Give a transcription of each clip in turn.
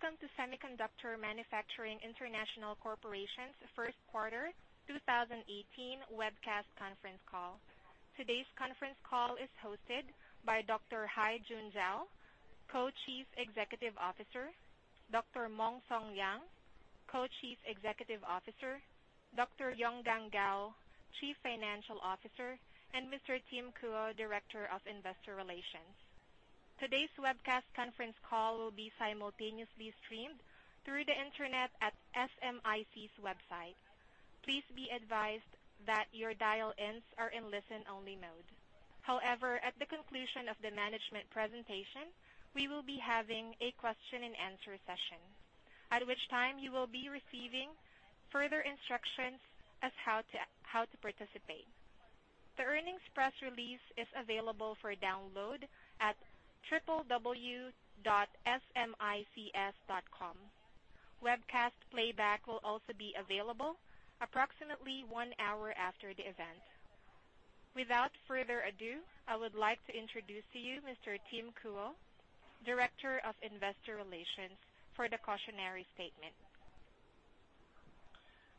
Welcome to Semiconductor Manufacturing International Corporation's first quarter 2018 webcast conference call. Today's conference call is hosted by Dr. Zhao Haijun, Co-chief Executive Officer, Dr. Liang Mong Song, Co-chief Executive Officer, Dr. Gao Yonggang, Chief Financial Officer, and Mr. Tim Kuo, Director of Investor Relations. Today's webcast conference call will be simultaneously streamed through the internet at SMIC's website. Please be advised that your dial-ins are in listen-only mode. However, at the conclusion of the management presentation, we will be having a question and answer session, at which time you will be receiving further instructions as how to participate. The earnings press release is available for download at www.smic.com. Webcast playback will also be available approximately one hour after the event. Without further ado, I would like to introduce to you Mr. Tim Kuo, Director of Investor Relations, for the cautionary statement.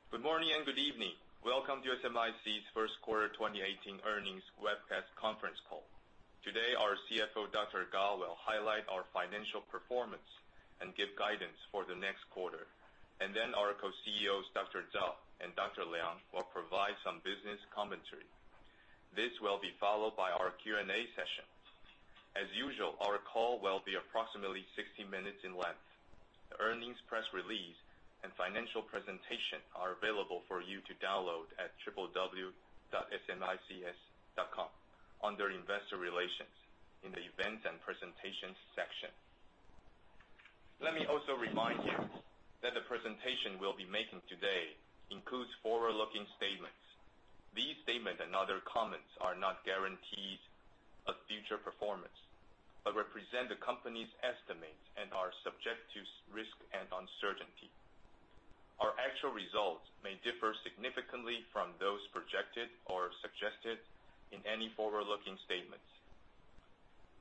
Good morning and good evening. Welcome to SMIC's first quarter 2018 earnings webcast conference call. Today, our CFO, Dr. Gao, will highlight our financial performance and give guidance for the next quarter. Then our co-CEOs, Dr. Zhao and Dr. Liang, will provide some business commentary. This will be followed by our Q&A session. As usual, our call will be approximately 60 minutes in length. The earnings press release and financial presentation are available for you to download at www.smic.com under Investor Relations in the Events and Presentations section. Let me also remind you that the presentation we'll be making today includes forward-looking statements. These statements and other comments are not guarantees of future performance, but represent the company's estimates and are subject to risk and uncertainty. Our actual results may differ significantly from those projected or suggested in any forward-looking statements.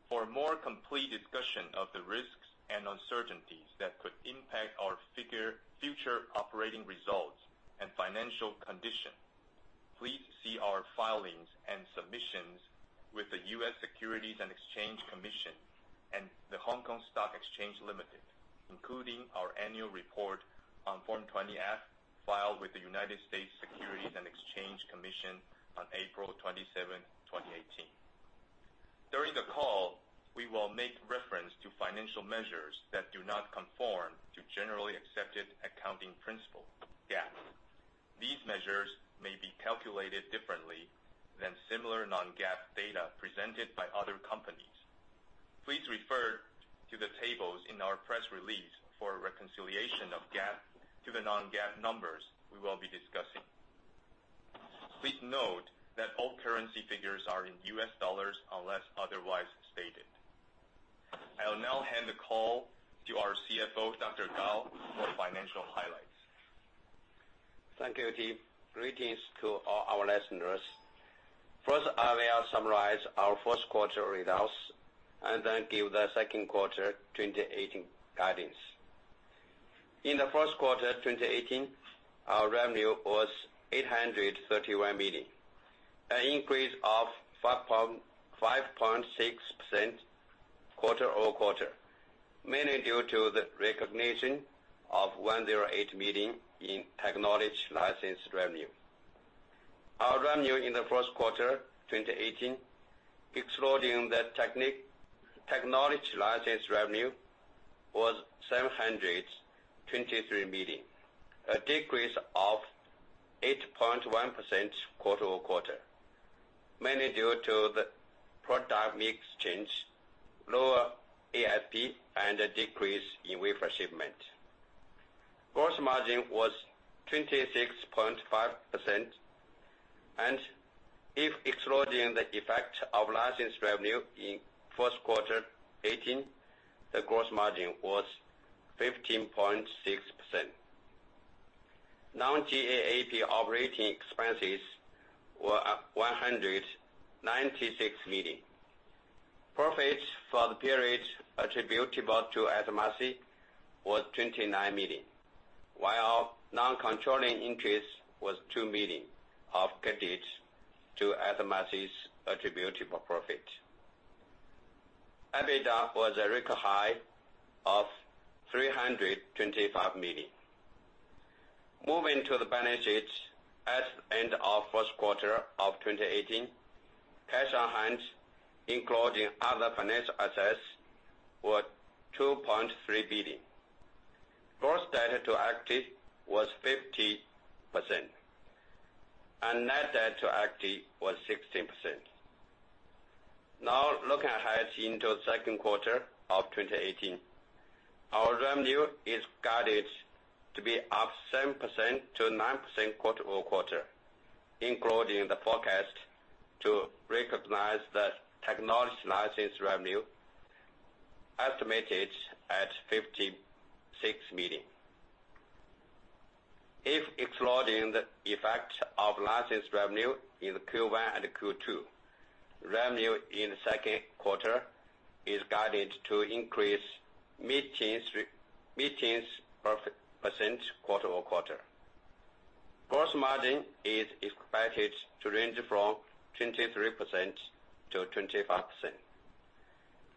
For a more complete discussion of the risks and uncertainties that could impact our future operating results and financial condition, please see our filings and submissions with the U.S. Securities and Exchange Commission and the Hong Kong Stock Exchange Limited, including our annual report on Form 20-F filed with the United States Securities and Exchange Commission on April 27, 2018. During the call, we will make reference to financial measures that do not conform to generally accepted accounting principles, GAAP. These measures may be calculated differently than similar non-GAAP data presented by other companies. Please refer to the tables in our press release for a reconciliation of GAAP to the non-GAAP numbers we will be discussing. Please note that all currency figures are in US dollars, unless otherwise stated. I will now hand the call to our CFO, Dr. Gao, for financial highlights. Thank you, Tim. Greetings to all our listeners. First, I will summarize our first quarter results and then give the second quarter 2018 guidance. In the first quarter 2018, our revenue was $831 million, an increase of 5.6% quarter-over-quarter, mainly due to the recognition of $108 million in technology license revenue. Our revenue in the first quarter 2018, excluding the technology license revenue, was $723 million, a decrease of 8.1% quarter-over-quarter, mainly due to the product mix change, lower ASP, and a decrease in wafer shipment. Gross margin was 26.5%, and if excluding the effect of license revenue in first quarter 2018, the gross margin was 15.6%. Non-GAAP operating expenses were $196 million. Profit for the period attributable to SMIC was $29 million, while non-controlling interest was $2 million of credits to SMIC's attributable profit. EBITDA was a record high of $325 million. Moving to the balance sheet. At the end of first quarter of 2018, cash on hand, including other financial assets, were $2.3 billion. Gross debt to asset was 50%, and net debt to asset was 16%. Looking ahead into the second quarter of 2018. Our revenue is guided to be up 7%-9% quarter-over-quarter, including the forecast to recognize the technology license revenue estimated at $56 million. If excluding the effect of licensing revenue in Q1 and Q2, revenue in the second quarter is guided to increase mid-teens % quarter-over-quarter. Gross margin is expected to range from 23%-25%.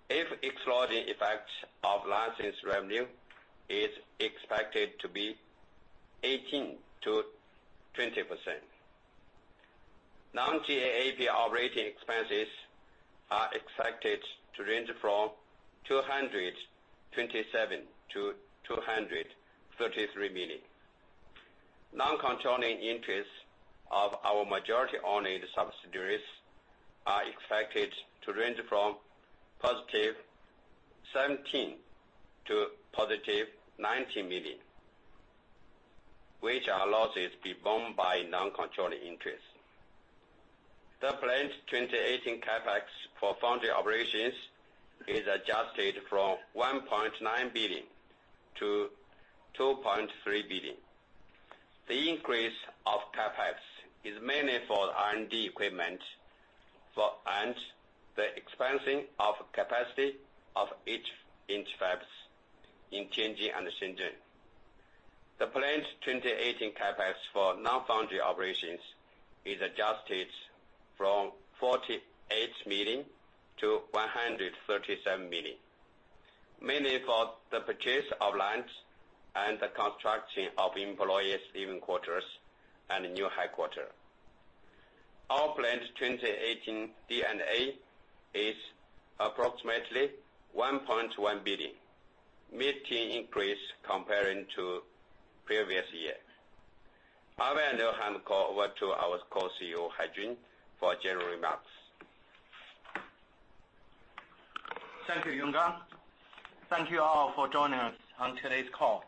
If excluding effect of licensing revenue, is expected to be 18%-20%. Non-GAAP operating expenses are expected to range from $227 million-$233 million. Non-controlling interests of our majority-owned subsidiaries are expected to range from positive $17 million-$19 million, which are losses performed by non-controlling interests. The planned 2018 CapEx for foundry operations is adjusted from $1.9 billion-$2.3 billion. The increase of CapEx is mainly for R&D equipment and the expanding of capacity of 8-inch fabs in Tianjin and Shenzhen. The planned 2018 CapEx for non-foundry operations is adjusted from $48 million-$137 million, mainly for the purchase of lands and the construction of employees' living quarters and new headquarter. Our planned 2018 D&A is approximately $1.1 billion, mid-teen increase comparing to previous year. I will now hand call over to our co-CEO, Haijun, for general remarks. Thank you, Yonggang. Thank you all for joining us on today's call.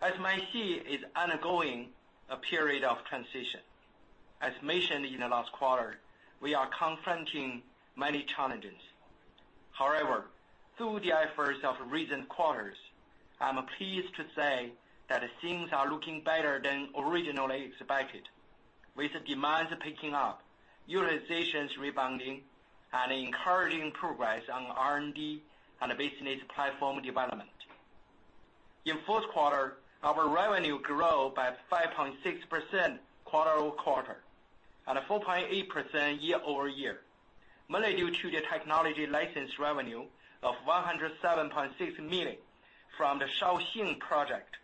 SMIC is undergoing a period of transition. Mentioned in the last quarter, we are confronting many challenges. Through the efforts of recent quarters, I'm pleased to say that things are looking better than originally expected. With demands picking up, utilizations rebounding, and encouraging progress on R&D and business platform development. In fourth quarter, our revenue grew by 5.6% quarter-over-quarter, and 4.8% year-over-year, mainly due to the technology license revenue of $107.6 million from the Shaoxing project.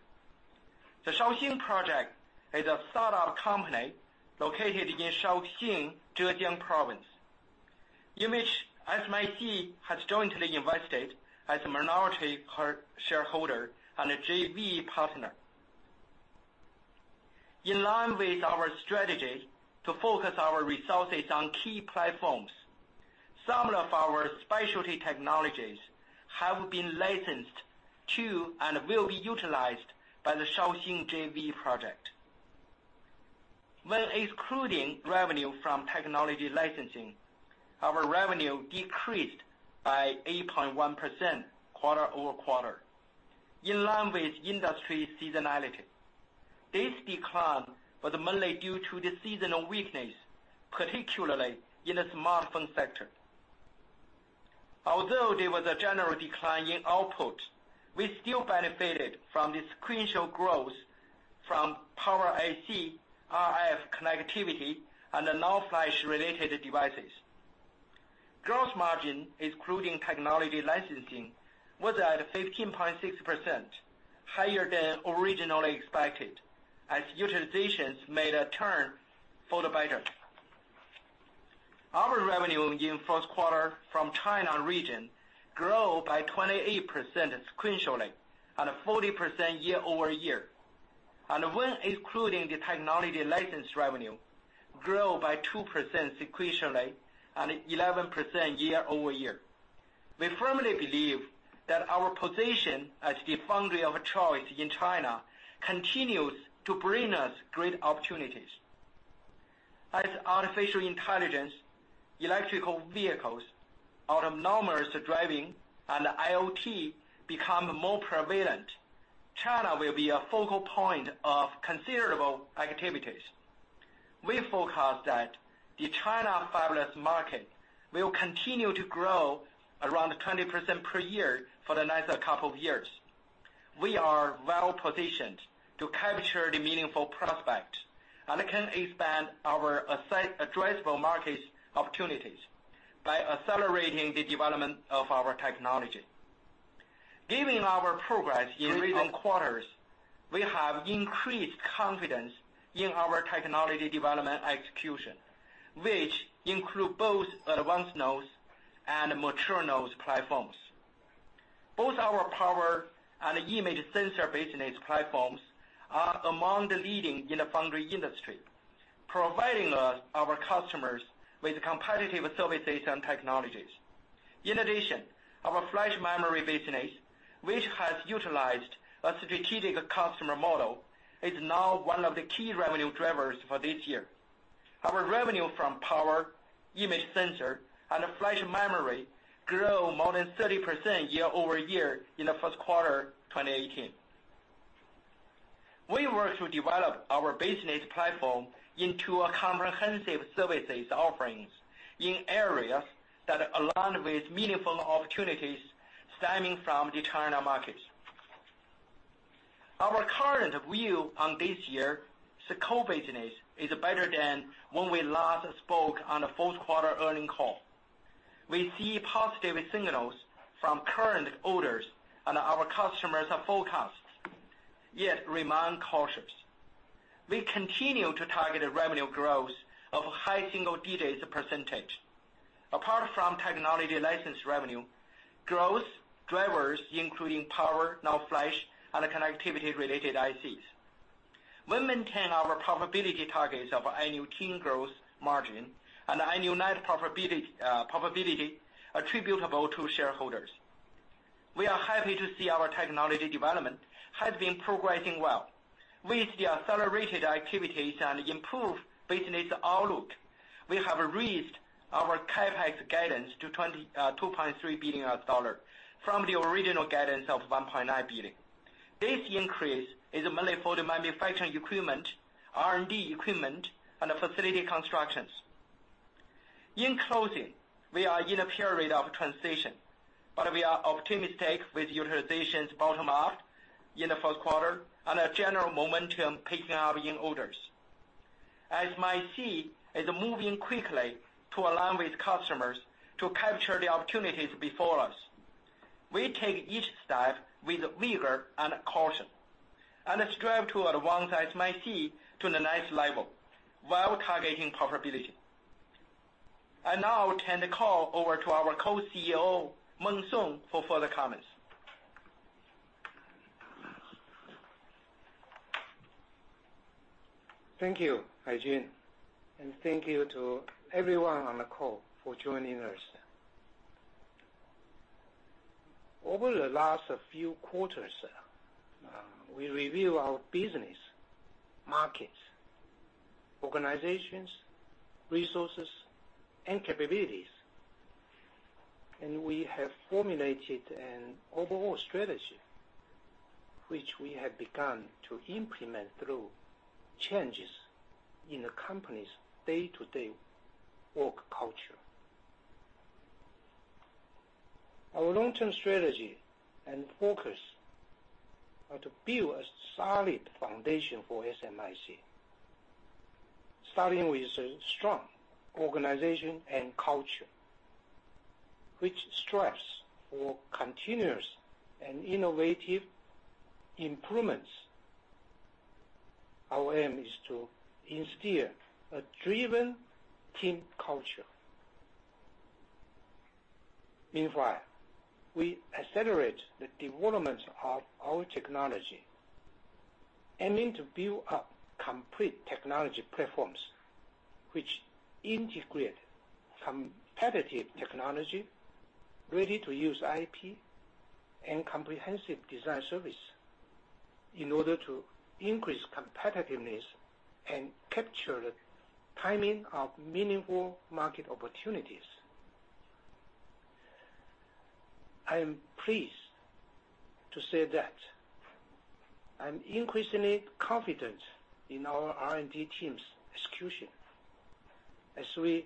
The Shaoxing project is a start-up company located in Shaoxing, Zhejiang Province. SMIC has jointly invested as a minority shareholder and a JV partner. Line with our strategy to focus our resources on key platforms, some of our specialty technologies have been licensed to and will be utilized by the Shaoxing JV project. Excluding revenue from technology licensing, our revenue decreased by 8.1% quarter-over-quarter, in line with industry seasonality. This decline was mainly due to the seasonal weakness, particularly in the smartphone sector. There was a general decline in output, we still benefited from the sequential growth from Power IC, RF connectivity, and the non-flash related devices. Gross margin, excluding technology licensing, was at 15.6%, higher than originally expected, as utilizations made a turn for the better. Our revenue in first quarter from China region grew by 28% sequentially, and 40% year-over-year. When excluding the technology license revenue, grew by 2% sequentially and 11% year-over-year. We firmly believe that our position as the foundry of choice in China continues to bring us great opportunities. As artificial intelligence, electrical vehicles, autonomous driving, and IoT become more prevalent, China will be a focal point of considerable activities. We forecast that the China fabless market will continue to grow around 20% per year for the next couple of years. We are well-positioned to capture the meaningful prospect, and can expand our addressable market opportunities by accelerating the development of our technology. Given our progress in recent quarters, we have increased confidence in our technology development execution, which include both advanced-nodes and mature-nodes platforms. Both our power and image sensor business platforms are among the leading in the foundry industry, providing our customers with competitive solutions and technologies. In addition, our flash memory business, which has utilized a strategic customer model, is now one of the key revenue drivers for this year. Our revenue from power, image sensor, and flash memory grew more than 30% year-over-year in the first quarter 2018. We worked to develop our business platform into a comprehensive services offerings in areas that, along with meaningful opportunities stemming from the China markets. Our current view on this year's core business is better than when we last spoke on the fourth quarter earning call. We see positive signals from current orders and our customers' forecasts, yet remain cautious. We continue to target a revenue growth of high single digits percentage. Apart from technology license revenue, growth drivers including power, NAND flash, and connectivity-related ICs. We maintain our profitability targets of our annual teen growth margin and annual net profitability attributable to shareholders. We are happy to see our technology development has been progressing well. With the accelerated activities and improved business outlook, we have raised our CapEx guidance to $2.3 billion from the original guidance of $1.9 billion. This increase is mainly for the manufacturing equipment, R&D equipment, and facility constructions. In closing, we are in a period of transition, but we are optimistic with utilization's bottom up in the first quarter and a general momentum picking up in orders. SMIC is moving quickly to align with customers to capture the opportunities before us. We take each step with vigor and caution and strive to advance SMIC to the next level while targeting profitability. I now turn the call over to our Co-CEO, Mong Song, for further comments. Thank you, Haijun, and thank you to everyone on the call for joining us. Over the last few quarters, we review our business, markets, organizations, resources, and capabilities, and we have formulated an overall strategy, which we have begun to implement through changes in the company's day-to-day work culture. Our long-term strategy and focus are to build a solid foundation for SMIC, starting with a strong organization and culture which strives for continuous and innovative improvements. Our aim is to instil a driven team culture. Meanwhile, we accelerate the development of our technology, aiming to build up complete technology platforms which integrate competitive technology, ready-to-use IP, and comprehensive design service in order to increase competitiveness and capture the timing of meaningful market opportunities. I am pleased to say that I'm increasingly confident in our R&D team's execution as we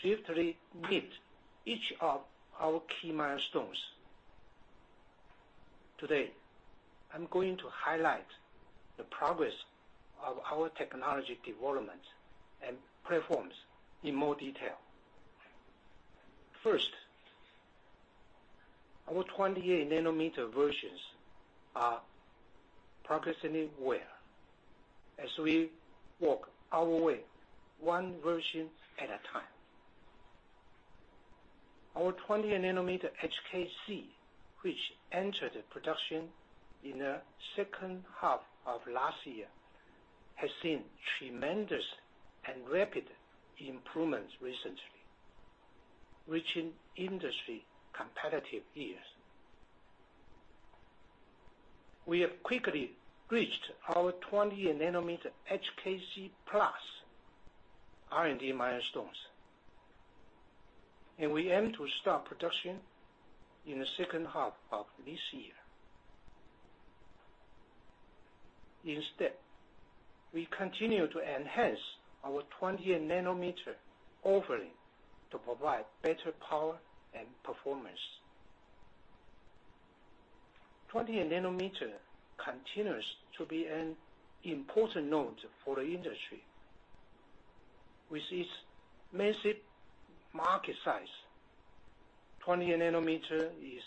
swiftly meet each of our key milestones. Today, I'm going to highlight the progress of our technology development and platforms in more detail. First, our 28 nanometer versions are progressing well as we work our way one version at a time. Our 28 nanometer HKC, which entered production in the second half of last year, has seen tremendous and rapid improvements recently, reaching industry competitive yields. We have quickly reached our 28 nanometer HKC+ R&D milestones, and we aim to start production in the second half of this year. We continue to enhance our 28 nanometer offering to provide better power and performance. 28 nanometer continues to be an important node for the industry. With its massive market size, 28 nanometer is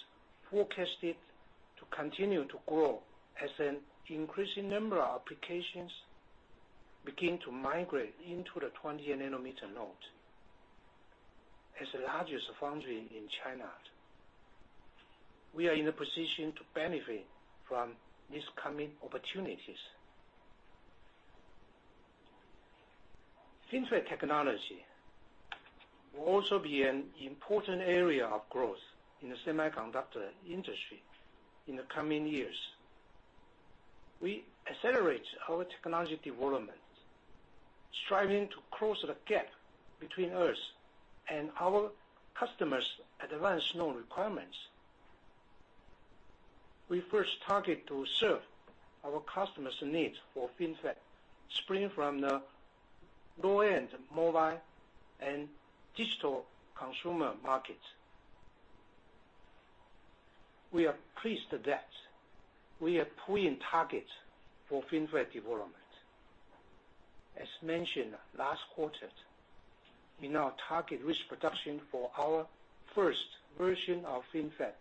forecasted to continue to grow as an increasing number of applications begin to migrate into the 28 nanometer node. As the largest foundry in China, we are in a position to benefit from these coming opportunities. FinFET technology will also be an important area of growth in the semiconductor industry in the coming years. We accelerate our technology development, striving to close the gap between us and our customers' advanced node requirements. We first target to serve our customers' needs for FinFETs springing from the low-end mobile and digital consumer markets. We are pleased that we are pulling targets for FinFET development. As mentioned last quarter, in our target risk production for our first version of FinFET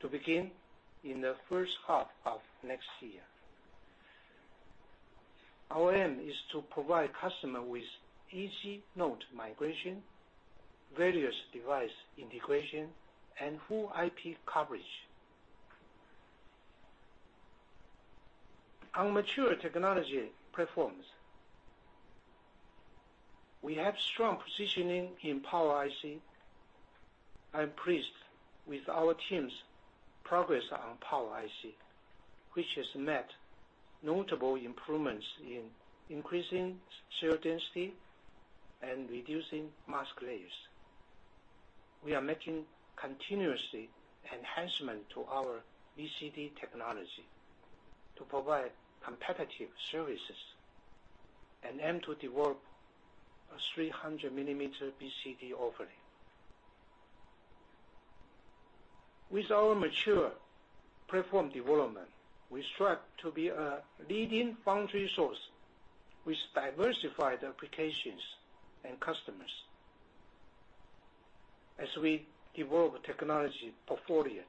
to begin in the first half of next year. Our aim is to provide customer with easy node migration, various device integration, and full IP coverage. On mature technology platforms, we have strong positioning in Power IC. I'm pleased with our team's progress on Power IC, which has met notable improvements in increasing share density and reducing mask layers. We are making continuously enhancement to our BCD technology to provide competitive services and aim to develop a 300 millimeter BCD offering. With our mature platform development, we strive to be a leading foundry source with diversified applications and customers. As we evolve technology portfolio,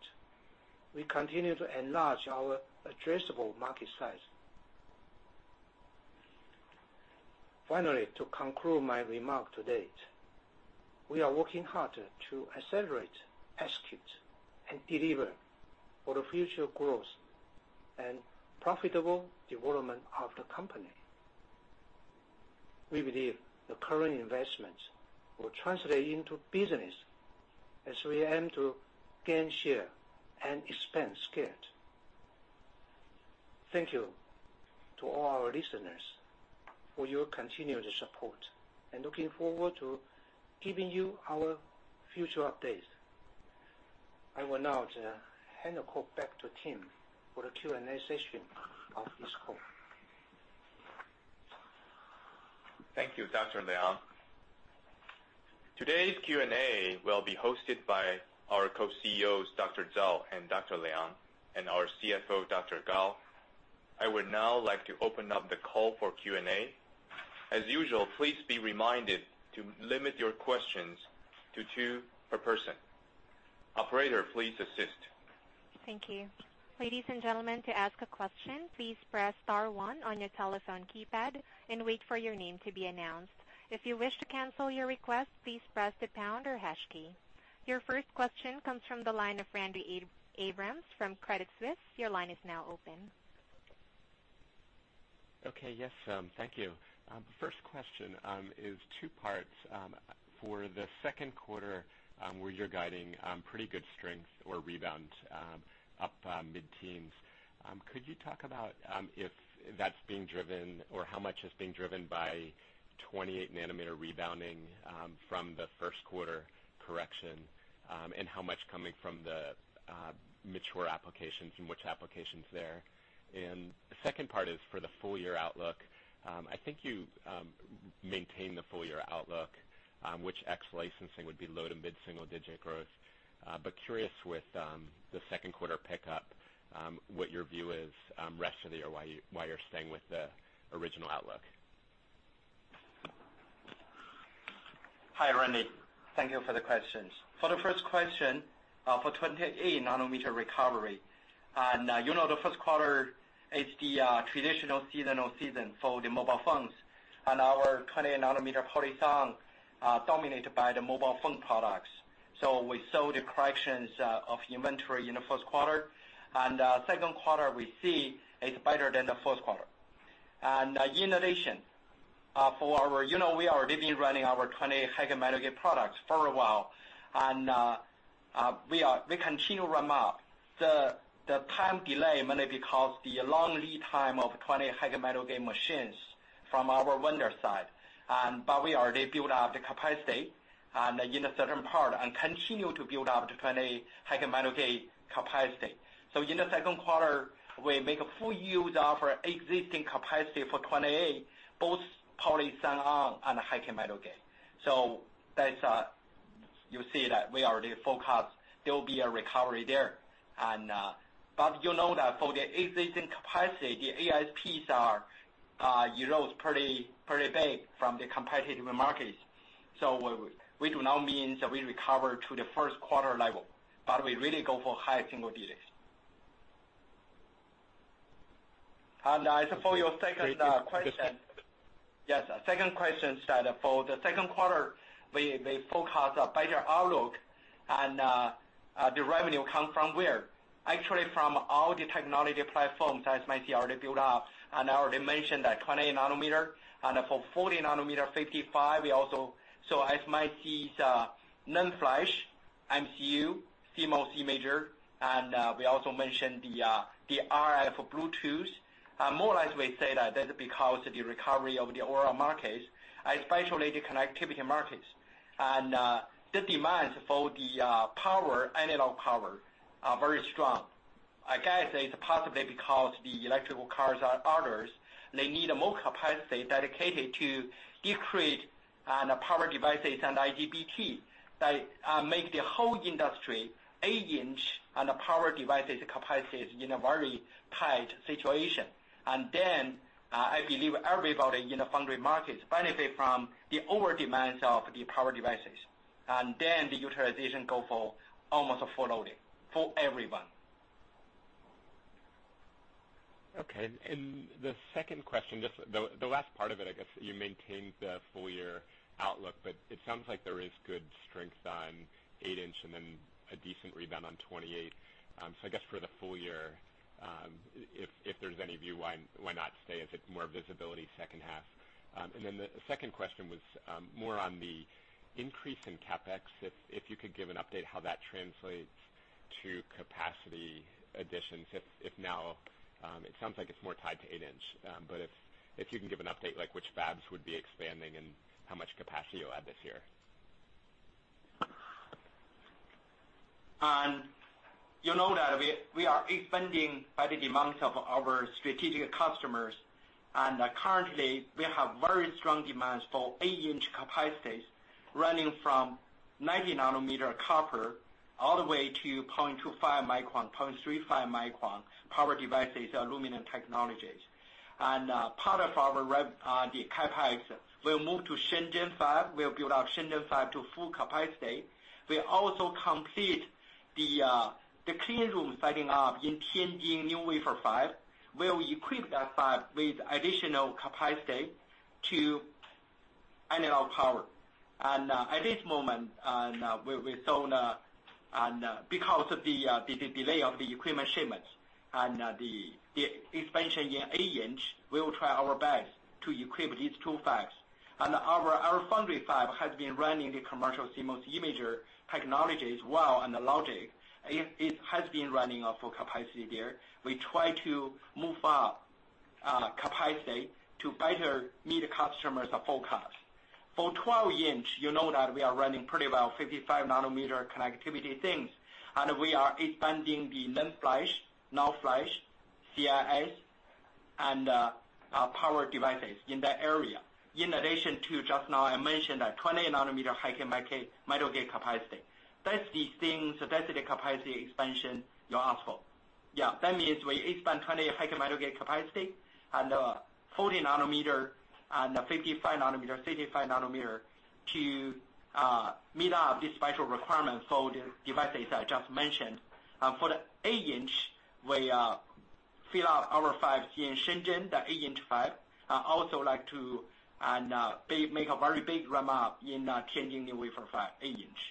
we continue to enlarge our addressable market size. Finally, to conclude my remarks today, we are working hard to accelerate, execute, and deliver for the future growth and profitable development of the company. We believe the current investments will translate into business as we aim to gain share and expand scale. Thank you to all our listeners for your continued support and looking forward to giving you our future updates. I will now hand the call back to Tim for the Q&A session of this call. Thank you, Dr. Liang. Today's Q&A will be hosted by our co-CEOs, Dr. Zhao and Dr. Liang, and our CFO, Dr. Gao. I would now like to open up the call for Q&A. As usual, please be reminded to limit your questions to two per person. Operator, please assist. Thank you. Ladies and gentlemen, to ask a question, please press star one on your telephone keypad and wait for your name to be announced. If you wish to cancel your request, please press the pound or hash key. Your first question comes from the line of Randy Abrams from Credit Suisse. Your line is now open. Okay, yes. Thank you. First question is two parts. For the second quarter, where you're guiding pretty good strength or rebound up mid-teens, could you talk about if that's being driven or how much is being driven by 28 nanometer rebounding from the first quarter correction, and how much coming from the mature applications and which applications there? The second part is for the full-year outlook. I think you maintained the full-year outlook, which ex licensing would be low to mid-single digit growth. Curious with the second quarter pickup, what your view is rest of the year why you're staying with the original outlook. Hi, Randy. Thank you for the questions. For the first question, for 28 nanometer recovery. You know the first quarter is the traditional seasonal season for the mobile phones and our 28 nanometer PolySiON dominated by the mobile phone products. We saw the corrections of inventory in the first quarter, and second quarter, we see is better than the first quarter. In addition, we are living running our 28 high-K metal gate products for a while, and we continue ramp up. The time delay mainly because the long lead time of 28 high-K metal gate machines from our vendor side. We already build up the capacity and in a certain part and continue to build up to 28 high-K metal gate capacity. In the second quarter, we make a full use of our existing capacity for 28, both PolySiON and high-K metal gate. You see that we already forecast there will be a recovery there. You know that for the existing capacity, the ASPs are erode pretty big from the competitive markets. We do not mean that we recover to the first quarter level. We really go for high single digits. As for your second question. Yes, second question said for the second quarter, we forecast a better outlook and the revenue come from where? Actually from all the technology platforms as you might see already build up, I already mentioned that 28 nanometer, and for 40 nm, 55 nm, as you might see the NAND flash MCU, CMOS imager, and we also mentioned the RF Bluetooth. More or less, we say that that's because of the recovery of the overall market, especially the connectivity market. The demands for the analog power are very strong. I guess it's possibly because the electrical cars are orders. They need more capacity dedicated to discrete power devices and IGBT that make the whole industry, eight-inch and power devices capacities in a very tight situation. I believe everybody in the foundry market benefit from the overdemand of the power devices. The utilization go for almost full loading for everyone. Okay. The second question, just the last part of it, I guess you maintained the full-year outlook, but it sounds like there is good strength on eight-inch and then a decent rebound on 28. I guess for the full year, if there's any view, why not say is it more visibility second half? The second question was more on the increase in CapEx. If you could give an update on how that translates to capacity additions, if now it sounds like it's more tied to eight-inch. But if you can give an update like which fabs would be expanding and how much capacity you'll add this year. You know that we are expanding by the demands of our strategic customers. Currently, we have very strong demands for eight-inch capacities running from 90 nanometer copper all the way to 0.25-micron, 0.35 micron power devices aluminum technologies. Part of the CapEx, we'll move to Shenzhen Fab. We'll build out Shenzhen Fab to full capacity. We'll also complete the clean room setting up in Tianjin New Wafer Fab, where we equip that fab with additional capacity to analog power. At this moment, because of the delay of the equipment shipments and the expansion in eight-inch, we will try our best to equip these two fabs. Our Foundry Fab has been running the commercial CMOS imager technology as well, and the logic. It has been running up for capacity there. We try to move up capacity to better meet customers' forecasts. For 12-inch, you know that we are running pretty well, 55 nm connectivity things. We are expanding the NAND flash, NOR flash, CIS, and power devices in that area. In addition to just now, I mentioned 28nm high-k metal gate capacity. That's the capacity expansion you asked for. That means we expand 28nm high-k metal gate capacity and 40 nm and 55 nm, 65 nm to meet up the special requirements for the devices I just mentioned. For the 8-inch, we fill up our fabs in Shenzhen, the 8-inch fab. I also like to make a very big ramp-up in Tianjin new wafer fab, 8-inch.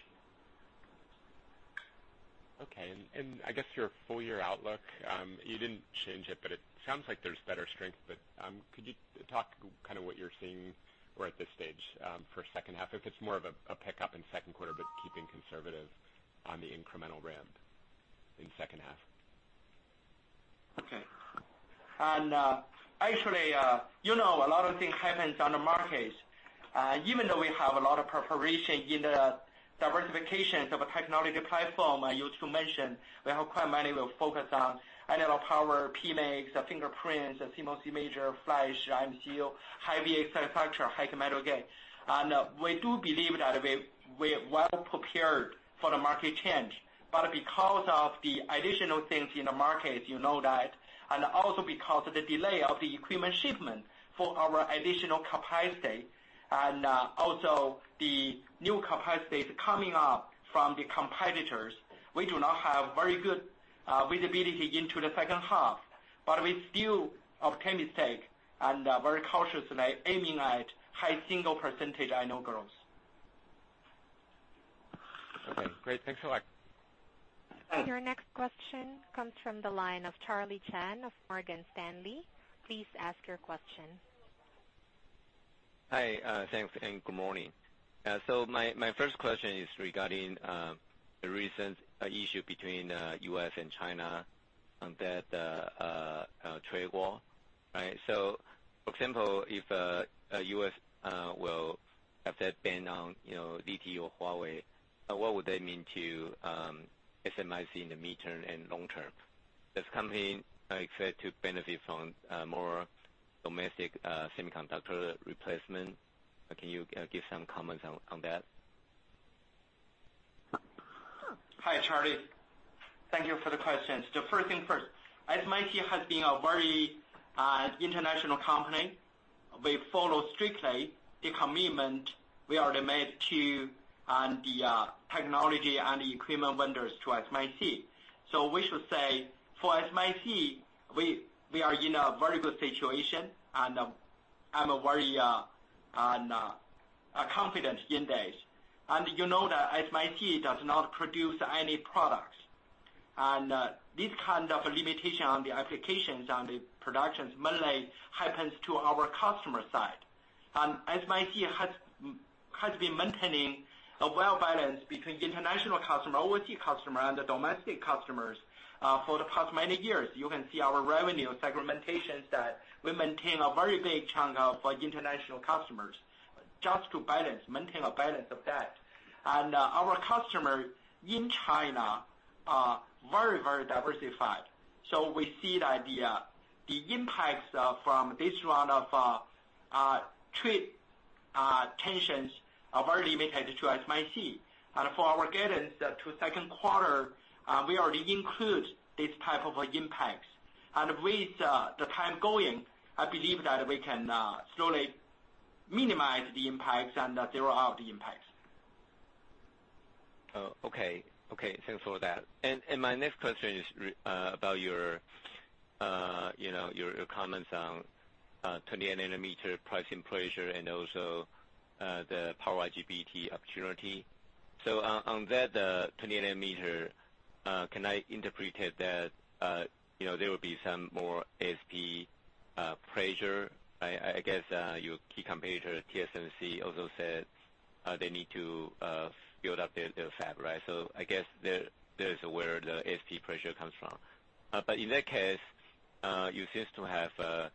I guess your full-year outlook, you didn't change it sounds like there's better strength. Could you talk kind of what you're seeing or at this stage, for second half, if it's more of a pickup in second quarter, but keeping conservative on the incremental ramp in second half? Actually, a lot of things happened on the market. Even though we have a lot of preparation in the diversifications of a technological platform, you too mentioned we have quite many. We are focused on analog power, PMICs, fingerprints, CMOS imager, flash, MCU, high-voltage semiconductor, high-k metal gate. We do believe that we're well prepared for the market change. Because of the additional things in the market, you know that, and also because of the delay of the equipment shipment for our additional capacity, and also the new capacities coming up from the competitors, we do not have very good visibility into the second half. We still are optimistic and very cautiously aiming at high single % annual growth. Okay, great. Thanks a lot. Thanks. Your next question comes from the line of Charlie Chen of Morgan Stanley. Please ask your question. Hi. Thanks, good morning. My first question is regarding the recent issue between U.S. and China on that trade war. For example, if U.S. will have that ban on ZTE or Huawei, what would that mean to SMIC in the midterm and long term? Does company expect to benefit from more domestic semiconductor replacement? Can you give some comments on that? Hi, Charlie. Thank you for the question. First thing first, SMIC has been a very international company. We follow strictly the commitment we already made to the technology and the equipment vendors to SMIC. We should say, for SMIC, we are in a very good situation, and I'm very confident in this. You know that SMIC does not produce any products. This kind of limitation on the applications, on the productions mainly happens to our customer side. SMIC has been maintaining a well balance between international customer, overseas customer, and the domestic customers for the past many years. You can see our revenue segmentations that we maintain a very big chunk for international customers just to maintain a balance of that. Our customers in China are very, very diversified. We see the idea. The impacts from this round of trade tensions are very limited to SMIC. For our guidance to second quarter, we already include this type of impacts. With the time going, I believe that we can slowly minimize the impacts and they wear off the impacts. Oh, okay. Thanks for that. My next question is about your comments on 28 nanometer pricing pressure and also the power IGBT opportunity. On that 28 nanometer, can I interpret it that there will be some more ASP pressure? I guess your key competitor, TSMC, also said they need to build up their fab, right? I guess there is where the ASP pressure comes from. In that case, you seem to have a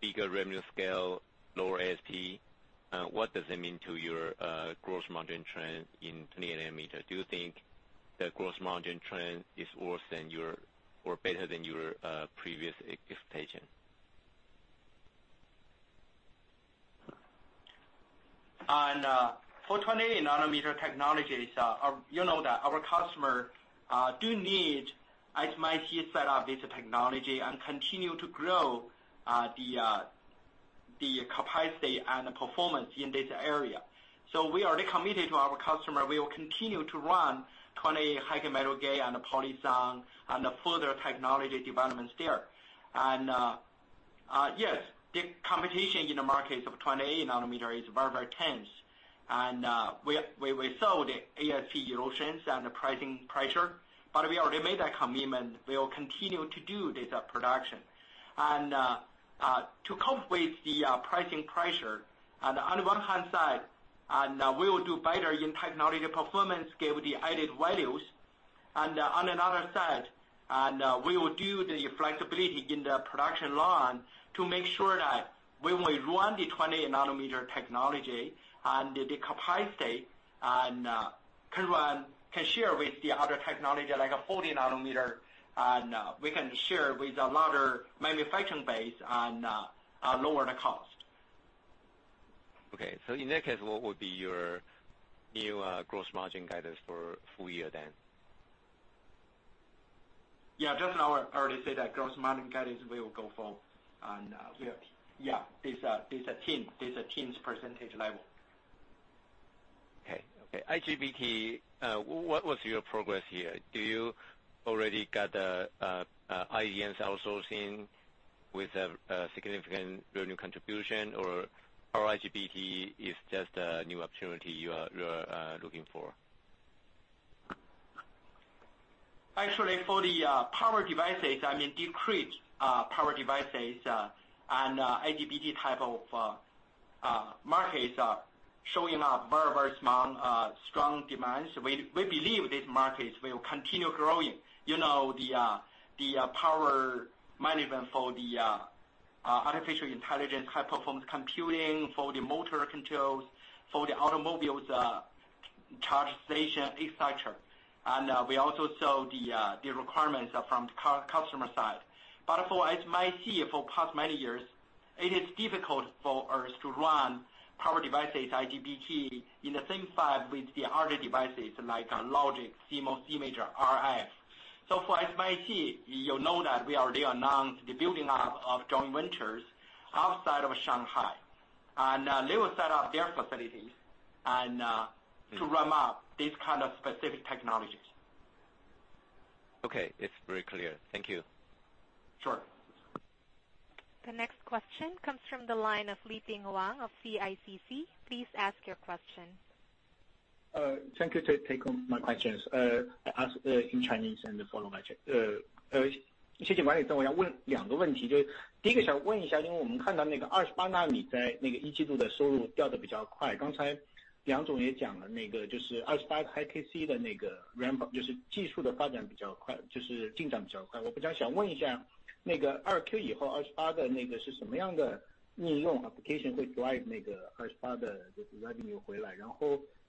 bigger revenue scale, lower ASP. What does it mean to your gross margin trend in 28 nanometer? Do you think the gross margin trend is worse than your, or better than your previous expectation? On 28 nanometer technologies, you know that our customer do need SMIC set up this technology and continue to grow the capacity and the performance in this area. We already committed to our customer, we will continue to run 28 high-k metal gate and the PolySiON and the further technology developments there. Yes, the competition in the markets of 28 nanometer is very, very tense. We saw the ASP erosions and the pricing pressure, we already made that commitment. We will continue to do this production. To cope with the pricing pressure, on one hand side, we will do better in technology performance, give the added values. On another side, we will do the flexibility in the production line to make sure that when we run the 28 nanometer technology and the capacity can share with the other technology, like a 40 nm, and we can share with a larger manufacturing base and lower the cost. Okay. In that case, what would be your new gross margin guidance for full-year then? Just now I already said that gross margin guidance will go for. Yeah. There's a teen percentage level. IGBT, what was your progress here? Do you already got the IDMs outsourcing with a significant revenue contribution, or IGBT is just a new opportunity you are looking for? Actually, for the power devices, I mean discrete power devices and IGBT type of markets are showing a very, very strong demands. We believe these markets will continue growing. You know the power management for the artificial intelligence, high-performance computing, for the motor controls, for the automobiles charge station, et cetera. We also saw the requirements from customer side. For SMIC, for past many years, it is difficult for us to run power devices, IGBT, in the same Foundry Fab with the other devices like logic, CMOS, image, RF. For SMIC, you know that we already announced the building up of Joint Ventures outside of Shanghai. They will set up their facilities and to ramp up these kind of specific technologies. Okay. It's very clear. Thank you. Sure. The next question comes from the line of Leping Wang of CICC. Please ask your question. Thank you. To take on my questions. I ask in Chinese and then follow my check.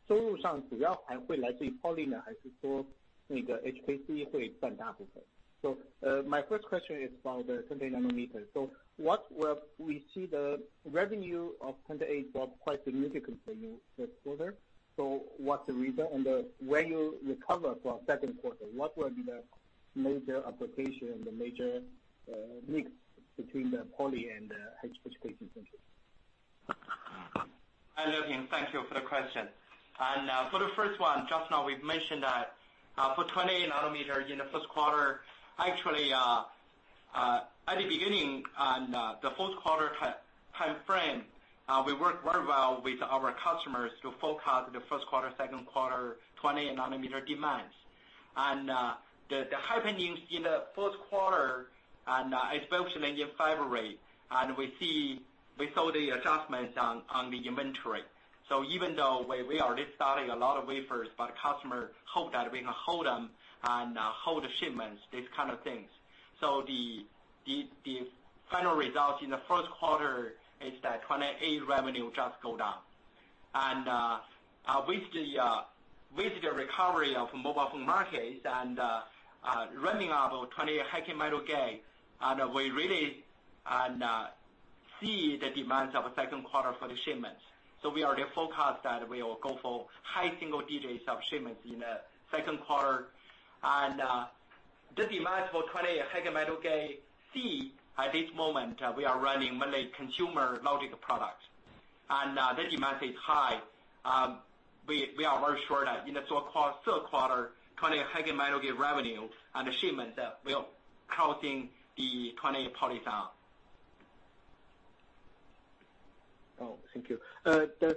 My first question is about the 28 nanometer. We see the revenue of 28 dropped quite significantly this quarter. What's the reason? When you recover for second quarter, what will be the major application, the major mix between the poly and the HPC? Hi, Leping. Thank you for the question. For the first one, just now we've mentioned that for 28 nanometer in the first quarter. At the beginning of the fourth quarter time frame, we worked very well with our customers to forecast the first quarter, second quarter, 28 nanometer demands. The happenings in the fourth quarter, especially in February, we saw the adjustments on the inventory. Even though we are starting a lot of wafers, but customer hope that we can hold them and hold the shipments, these kind of things. The final result in the first quarter is that 28 revenue just go down. With the recovery of mobile phone markets and running out of 28nm HKMG, we really see the demands of second quarter for the shipments. We already forecast that we will go for high single digits of shipments in the second quarter. The demand for 28nm HKMG, at this moment, we are running mainly consumer logic product. The demand is high. We are very sure that in the third quarter, 28nm HKMG revenue and the shipment will crossing the 28nm PolySiON. Thank you. The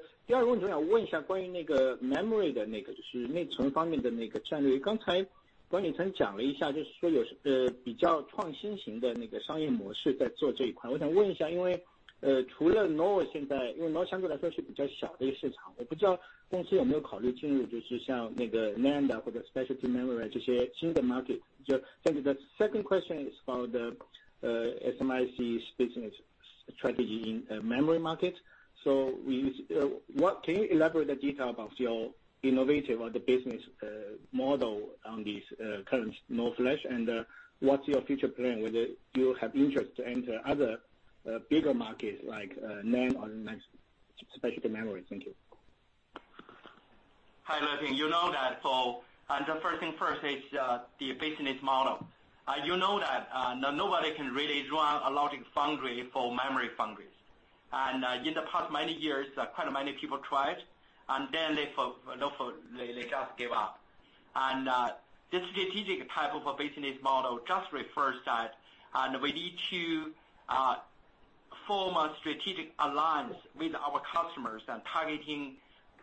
second question is for the SMIC's business strategy in memory market. Can you elaborate the detail about your innovation or the business model on this current NOR flash? What's your future plan? Whether you have interest to enter other bigger markets like NAND or specialty memory. Thank you. Hi, Leping. You know that. The first thing first is the business model. You know that nobody can really run a logic foundry for memory foundries. In the past many years, quite many people tried, and then they just gave up. The strategic type of a business model just refers that we need to form a strategic alliance with our customers and targeting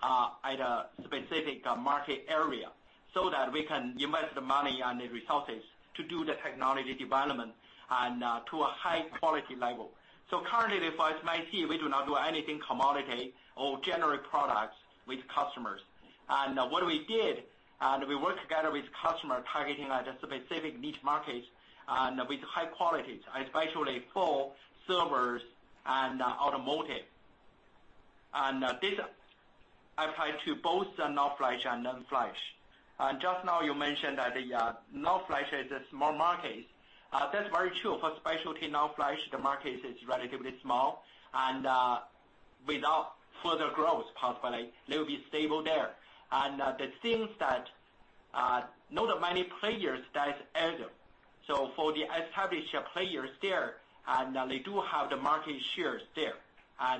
at a specific market area, so that we can invest the money and the resources to do the technology development and to a high quality level. Currently for SMIC, we do not do anything commodity or generic products with customers. What we did, we work together with customer targeting at a specific niche market and with high quality, especially for servers and automotive. This apply to both the NOR flash and NAND flash. Just now you mentioned that the NOR flash is a small market. That's very true. For specialty NOR flash, the market is relatively small and without further growth, possibly. They'll be stable there. The things that not many players that enter. For the established players there, they do have the market shares there. As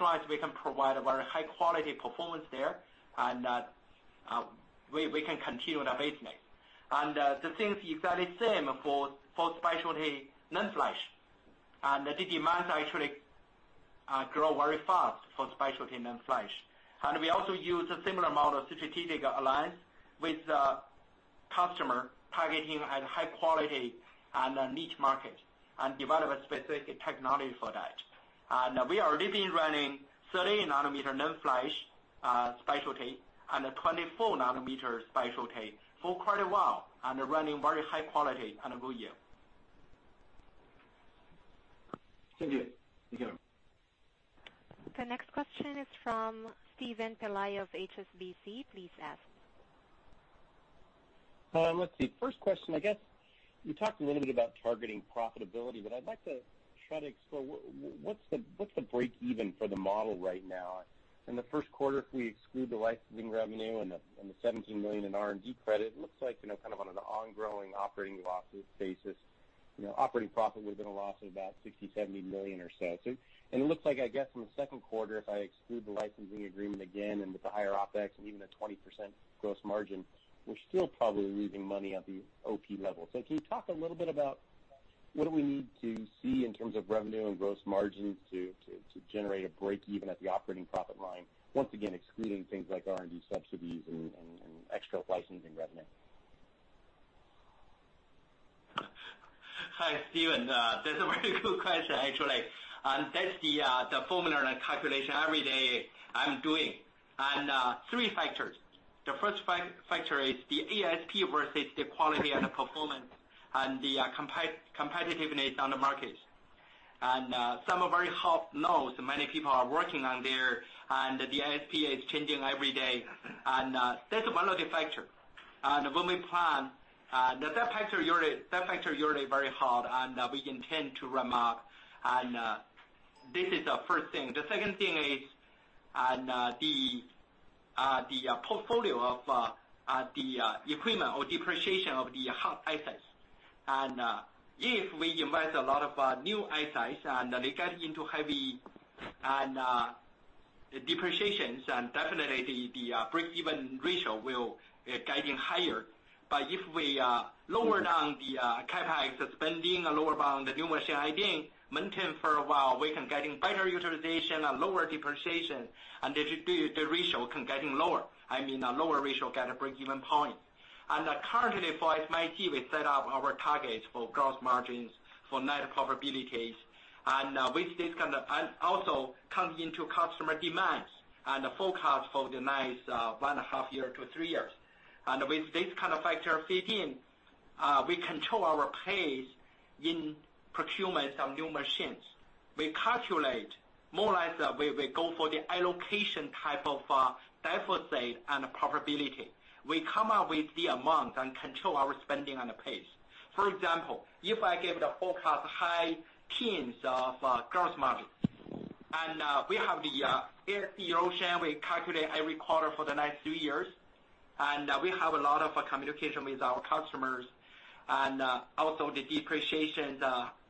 long as we can provide a very high-quality performance there, we can continue the business. The thing is exactly same for specialty NAND flash. The demands actually grow very fast for specialty NAND flash. We also use a similar model strategic alliance with customer targeting at high quality and a niche market and develop a specific technology for that. We are already been running 30 nanometer NAND flash specialty and 24 nanometer specialty for quite a while, and running very high quality and good yield. Thank you. Thank you. The next question is from Steven Pelayo of HSBC. Please ask. Let's see. First question, I guess you talked a little bit about targeting profitability, but I'd like to try to explore what's the break even for the model right now? In the first quarter, if we exclude the licensing revenue and the $17 million in R&D credit, it looks like, kind of on an ongoing operating losses basis, operating profit would have been a loss of about $60 million-$70 million or so. It looks like, I guess in the second quarter, if I exclude the licensing agreement again, with the higher OPEX and even a 20% gross margin, we're still probably losing money at the OP level. Can you talk a little bit about what do we need to see in terms of revenue and gross margins to generate a break even at the operating profit line? Once again, excluding things like R&D subsidies and extra licensing revenue. Hi, Steven. That's a very good question, actually. That's the formula and calculation every day I'm doing. Three factors. The first factor is the ASP versus the quality and the performance and the competitiveness on the market. Some are very hard nodes. Many people are working on there, and the ASP is changing every day. That's one of the factor. When we plan, that factor usually very hard, and we intend to ramp up, and this is the first thing. The second thing is the portfolio of the equipment or depreciation of the hard assets. If we invest a lot of new assets, they get into heavy depreciations and definitely the breakeven ratio will be getting higher. If we lower down the CapEx spending and lower down for a while, we can get better utilization, lower depreciation, and the ratio can get lower. I mean, a lower ratio get a breakeven point. Currently for SMIC, we set up our targets for gross margins for net profitability. Also comes into customer demands and the forecast for the next one and a half year to three years. With this kind of factor fit in, we control our pace in procurement of new machines. We calculate more or less, we go for the [allocation based on efficiency and pofitability]. We come up with the amount and control our spending on a pace. For example, if I give the forecast high teens gross margin, we have the, we calculate every quarter for the next three years, we have a lot of communication with our customers and also the depreciation,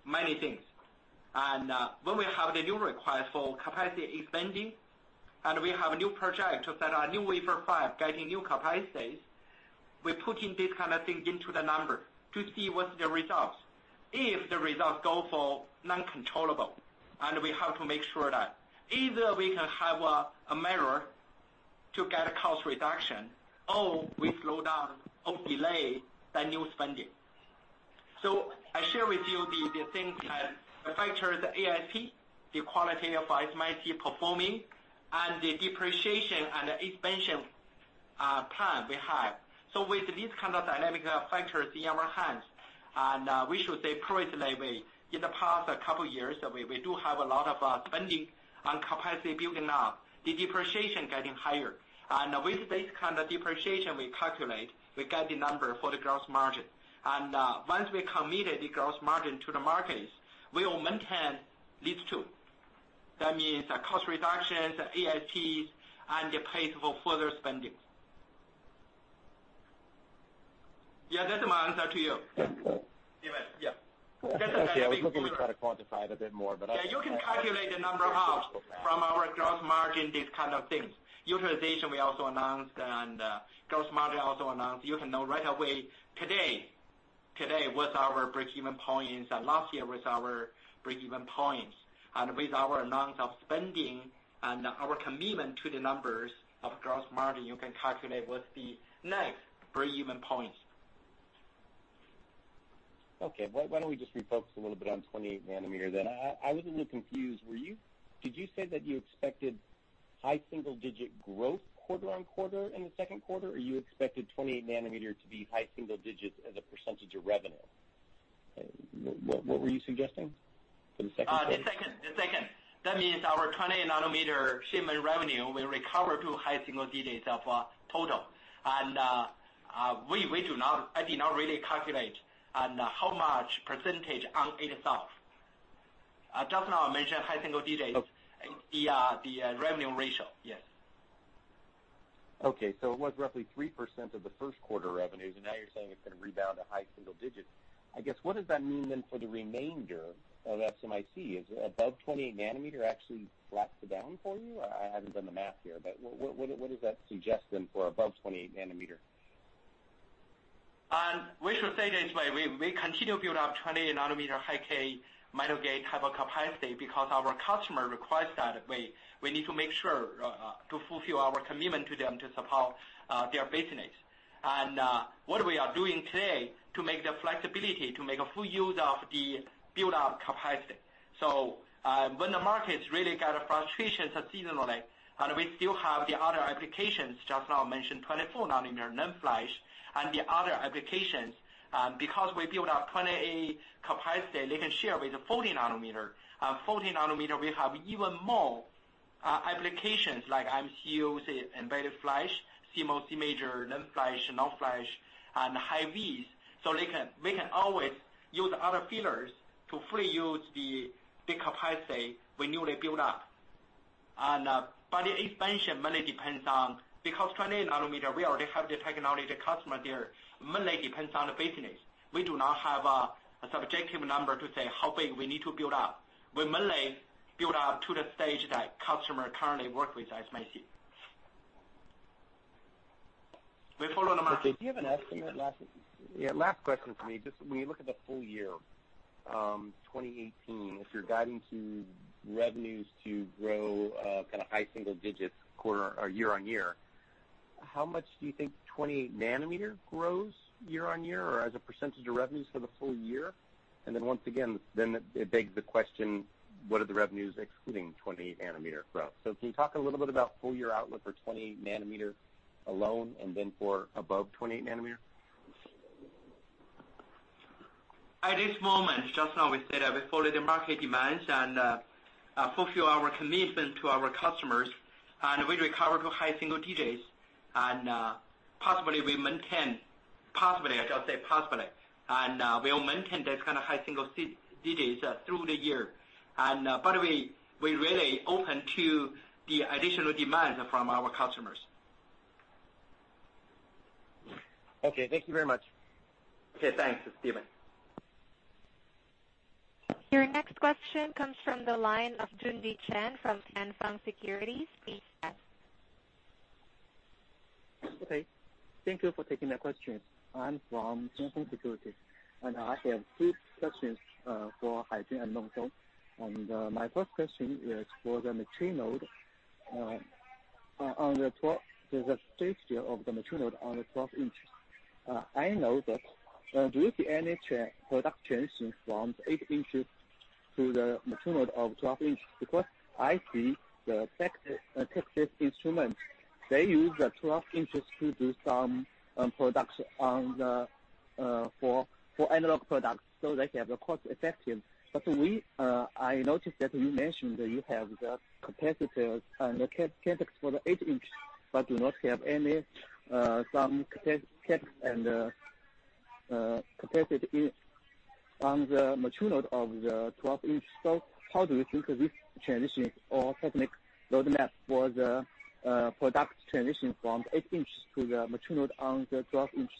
many things. When we have the new request for capacity expanding, we have a new project to set a new Foundry Fab getting new capacities, we are putting this kind of thing into the number to see what's the results. If the results go for uncontrollable, we have to make sure that either we can have a measure to get a cost reduction, or we slow down or delay the new spending. I share with you the things that affect the ASP, the quality of SMIC performing, and the depreciation and expansion plan we have. With these kind of dynamic factors in our hands, we should say precisely, in the past couple years, we do have a lot of spending on capacity building up, the depreciation getting higher. With this kind of depreciation, we calculate, we get the number for the gross margin. Once we committed the gross margin to the markets, we will maintain these two. That means cost reductions, [ASPs], and the pace for further spending. Yeah, that's my answer to you. Yeah. That's the way we look. Actually, I was looking to try to quantify it a bit more, but I. You can calculate the number out from our gross margin, these kind of things. Utilization we also announced, and gross margin also announced. You can know right away today what's our breakeven points and last year was our breakeven points. With our amounts of spending and our commitment to the numbers of gross margin, you can calculate what's the next breakeven points. Why don't we just refocus a little bit on 28 nanometer then? I was a little confused. Did you say that you expected high single-digit growth quarter-on-quarter in the second quarter, or you expected 28 nanometer to be high single digits as a percentage of revenue? What were you suggesting for the second quarter? The second. That means our 28 nanometer shipment revenue will recover to high single digits of total. I did not really calculate on how much percentage on itself. Just now I mentioned high single digits. Okay The revenue ratio, yes. Okay. It was roughly 3% of the first quarter revenues, and now you're saying it's going to rebound to high single digits. I guess what does that mean for the remainder of SMIC? Is above 28 nanometer actually flattened down for you? I haven't done the math here, but what does that suggest for above 28 nanometer? We should say it this way, we continue to build up 28 nanometer High/K Metal Gate type of capacity because our customer requires that. We need to make sure to fulfill our commitment to them to support their business. What we are doing today to make the flexibility, to make a full use of the build-up capacity. When the markets really get a fluctuation seasonally, we still have the other applications, just now mentioned 24 nanometer NAND flash and the other applications. We build up 28 capacity, they can share with 40 nm. 40 nm we have even more applications like MCU, say, embedded flash, CMOS image, NAND flash, NOR flash, and high-voltage. They can always use other fillers to fully use the capacity we newly build up. The expansion mainly depends on, 28 nanometer, we already have the technology, the customer there, mainly depends on the business. We do not have a subjective number to say how big we need to build up. We mainly build up to the stage that customer currently work with SMIC. We follow the market. Okay. Do you have an estimate? Last question for me. Just when you look at the full year 2018, if you're guiding to revenues to grow kind of high single digits year-over-year, how much do you think 28 nanometer grows year-over-year or as a percentage of revenues for the full year? Once again, it begs the question, what are the revenues excluding 28 nanometer growth? Can you talk a little bit about full year outlook for 28 nanometer alone and for above 28 nanometer? At this moment, just now we said that we follow the market demands and fulfill our commitment to our customers. We recover to high single digits and possibly we maintain, I'll say possibly, we'll maintain this kind of high single digits through the year. We really open to the additional demands from our customers. Okay, thank you very much. Okay, thanks. This is Steven. Your next question comes from the line of Junji Chen from Fanfeng Securities. Please ask. Thank you for taking my question. I am from Fanfeng Securities, and I have two questions for Haijun and Mong Song. My first question is for the mature node. On the top, there is a stage of the mature node on the 12-inch. I know that with the niche production from 8-inch to the mature node of 12-inch, because I see Texas Instruments, they use the 12-inch to do some production for analog products, so they have the cost-effective. I noticed that you mentioned that you have the capacities and the CapEx for the 8-inch, but do not have some CapEx on the mature node of the 12-inch. How do you think of this transition or technical roadmap for the product transition from 8-inch to the mature node on the 12-inch?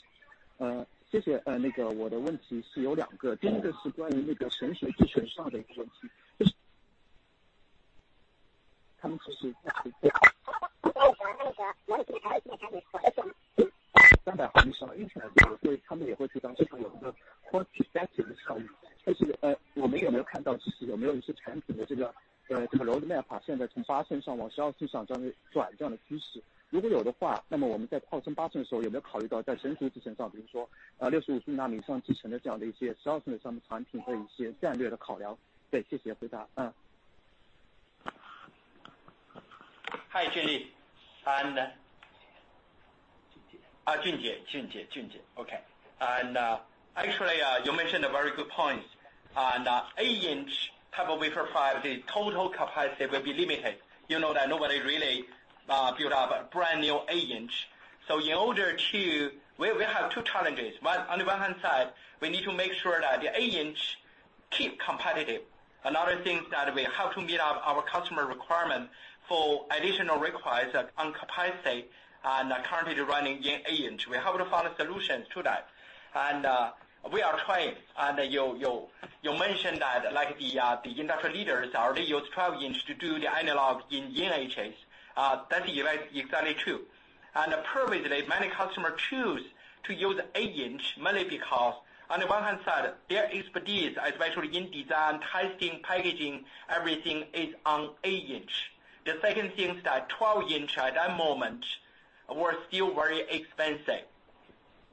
Hi, Junji. Actually, you mentioned a very good point. 8-inch type of wafer fab, the total capacity will be limited. You know that nobody really built up a brand new 8-inch. We have two challenges. One, on the one hand side, we need to make sure that the 8-inch keeps competitive. Another thing is that we have to meet up our customer requirement for additional requirements on capacity and currently running in 8-inch. We have to find solutions to that, and we are trying. You mentioned that the industry leaders already use 12-inch to do the analog niche. That is exactly true. Previously, many customers choose to use 8-inch mainly because, on the one hand side, their expertise, especially in design, testing, packaging, everything is on 8-inch. The second thing is that 12-inch, at that moment, were still very expensive.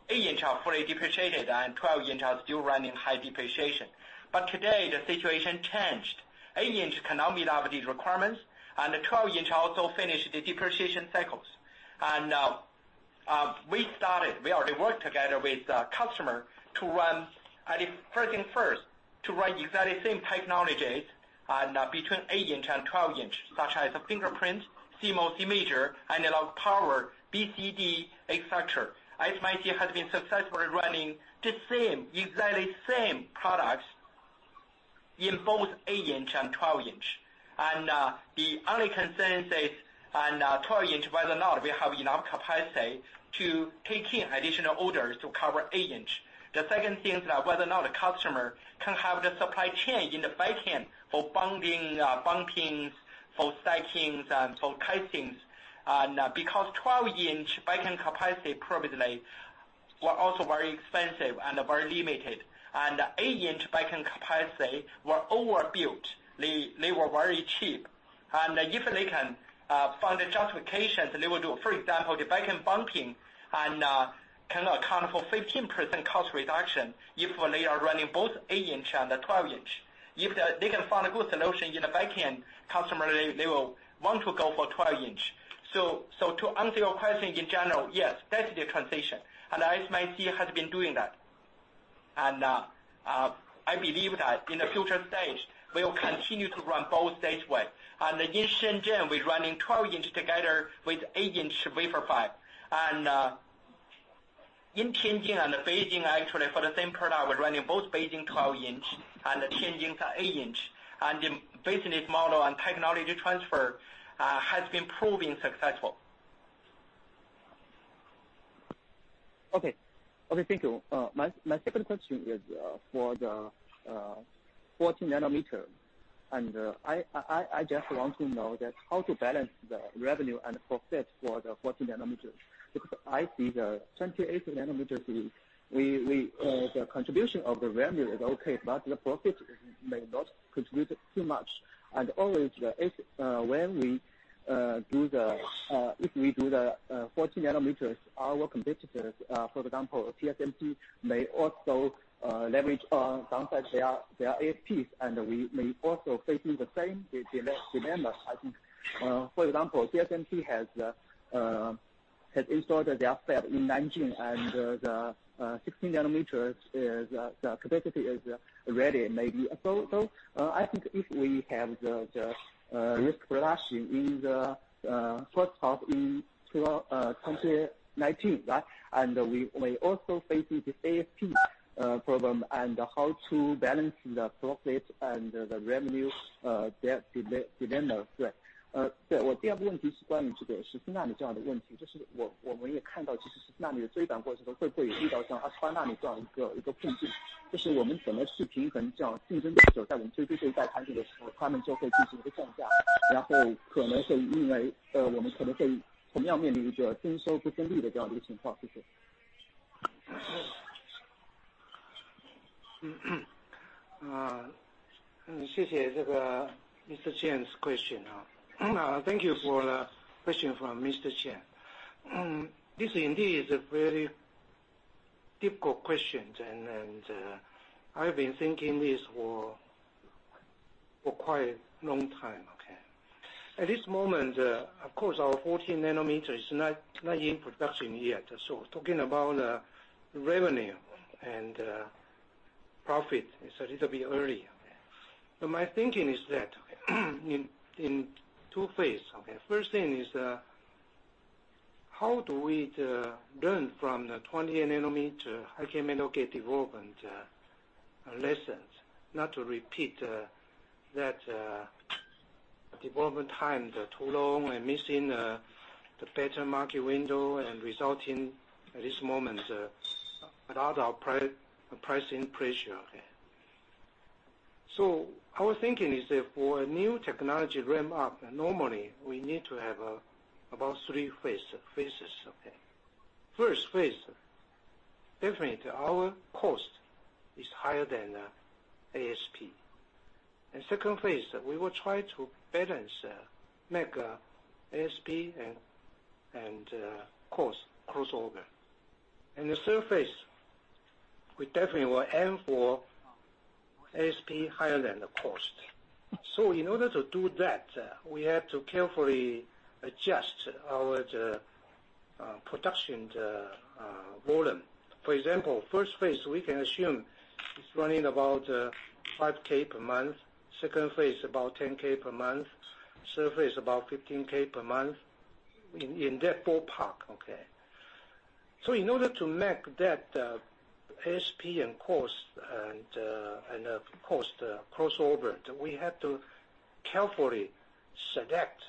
8-inch are fully depreciated, and 12-inch are still running high depreciation. Today, the situation changed. 8-inch cannot meet up these requirements, and the 12-inch also finished the depreciation cycles. We already work together with customer to run, first thing first, to run exactly same technologies between 8-inch and 12-inch, such as fingerprint, CMOS imager, analog power, BCD, et cetera. SMIC has been successful in running the same, exactly same products in both 8-inch and 12-inch. The only concern is on 12-inch, whether or not we have enough capacity to take in additional orders to cover 8-inch. The second thing is whether or not a customer can have the supply chain in the back end for bonding, bumping, for stacking, and for testing. Because 12-inch back-end capacity previously were also very expensive and very limited, and 8-inch back-end capacity were overbuilt. They were very cheap. If they can find the justifications, they will do. For example, the back-end bumping can account for 15% cost reduction if they are running both 8-inch and the 12-inch. If they can find a good solution in the back end, customer, they will want to go for 12-inch. To answer your question, in general, yes, that is the transition, and SMIC has been doing that. I believe that in the future stage, we will continue to run both this way. In Shenzhen, we are running 12-inch together with 8-inch wafer fab. In Tianjin and Beijing, actually, for the same product, we are running both Beijing 12-inch and Tianjin 8-inch, and the business model and technology transfer has been proving successful. Okay. Thank you. My second question is for the 14 nm. I just want to know how to balance the revenue and profit for the 14 nm. I see the 28 nm, the contribution of the revenue is okay, but the profit may not contribute too much. Always, if we do the 14 nm, our competitors, for example, TSMC, may also leverage on downside their ASPs, we may also face the same dilemma, I think. For example, TSMC has installed their fab in Nanjing, the 16 nanometers, the capacity is ready, maybe. I think if we have the risk production in the first half in 2019, right? We may also face the ASP problem and how to balance the profit and the revenue dilemma. Thank you for the question from [Mr. Chen]. This indeed is a very difficult question, I've been thinking this for quite a long time. At this moment, of course, our 14 nm is not in production yet, talking about revenue and profit is a little bit early. My thinking is that, in two phases. First thing is, how do we learn from the 28 nanometer High-K Metal Gate development lessons not to repeat that development time, too long, missing the better market window and resulting, at this moment, with our pricing pressure. Our thinking is that for a new technology ramp-up, normally we need to have about three phases. First phase, definitely our cost is higher than ASP. In second phase, we will try to balance, make ASP and cost crossover. In the third phase, we definitely will aim for ASP higher than the cost. In order to do that, we have to carefully adjust our production volume. For example, first phase, we can assume it's running about 5K per month, second phase about 10K per month, third phase about 15K per month, in that ballpark. In order to make that ASP and cost crossover, we have to carefully select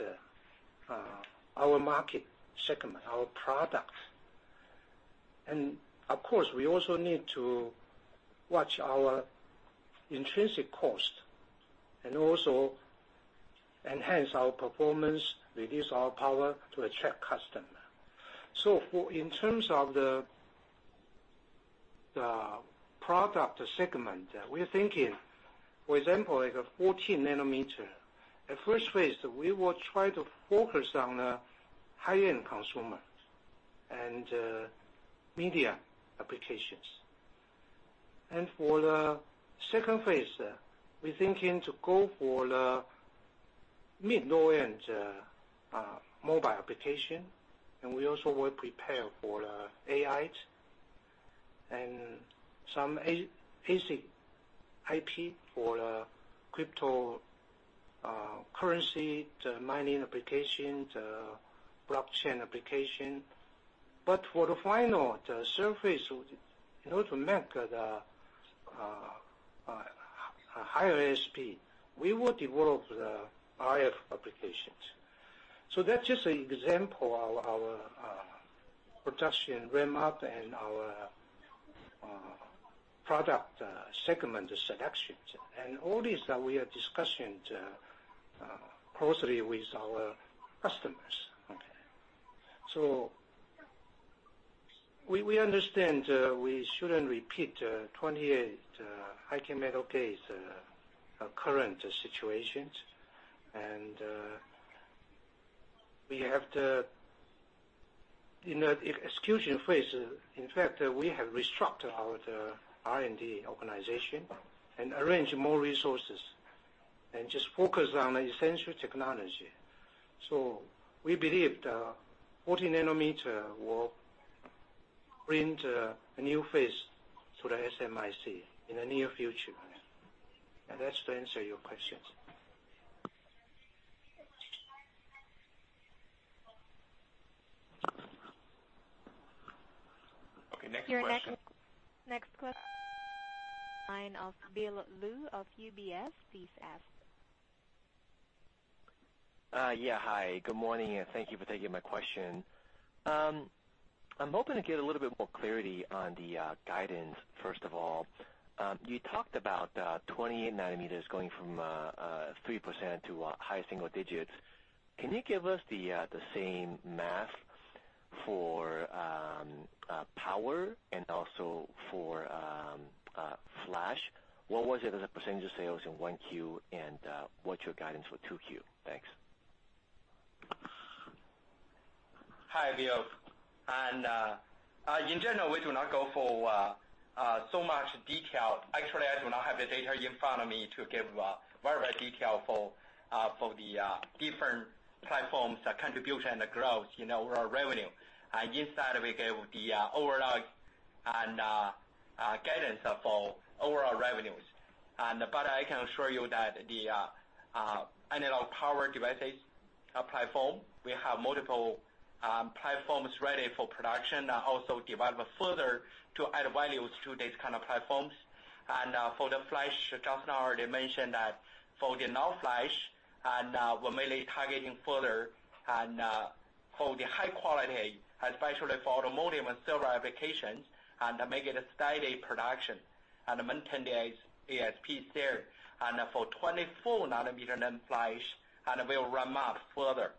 our market segment, our product. Of course, we also need to watch our intrinsic cost and also enhance our performance, reduce our power to attract customer. In terms of the product segment, we are thinking, for example, like a 14 nm. At first phase, we will try to focus on the high-end consumer and media applications. For the second phase, we're thinking to go for the mid-low end mobile application, we also will prepare for the AI and some basic IP for the cryptocurrency, the mining application, the blockchain application. For the final, the third phase, in order to make the higher ASP, we would develop the RF applications. That's just an example of our production ramp-up and our product segment selections. All this that we are discussing closely with our customers. We understand we shouldn't repeat 28 High-K Metal Gate current situations. We have to, in execution phase, in fact, we have restructured our R&D organization and arranged more resources and just focus on essential technology. We believe the 14 nm will bring a new phase to the SMIC in the near future. That's to answer your questions. Okay. Next question. Your next question comes from the line of Bill Lu of UBS. Please ask. Yeah. Hi, good morning, and thank you for taking my question. I am hoping to get a little bit more clarity on the guidance, first of all. You talked about 28 nanometers going from 3% to high single digits. Can you give us the same math for power and also for flash? What was it as a percentage of sales in Q1, and what is your guidance for Q2? Thanks. Hi, Bill. In general, we do not go for so much detail. Actually, I do not have the data in front of me to give very much detail for the different platforms contribution and growth in our revenue. This side, we gave the overall guidance for overall revenues. I can assure you that the analog power devices platform, we have multiple platforms ready for production, also develop further to add values to these kind of platforms. For the flash, Zhao already mentioned that for the NAND flash, and we are mainly targeting further and for the high quality, especially for automotive and server applications, and make it a steady production and maintain the ASP there. For 24 nanometer NAND flash, and we will ramp up further